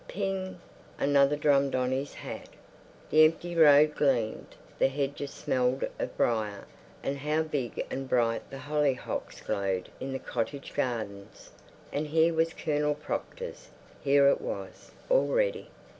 Ping!—another drummed on his hat. The empty road gleamed, the hedges smelled of briar, and how big and bright the hollyhocks glowed in the cottage gardens. And here was Colonel Proctor's—here it was already.